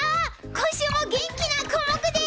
今週も元気なコモクです！